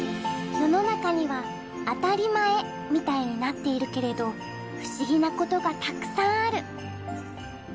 世の中には「当たり前」みたいになっているけれど不思議なことがたくさんある。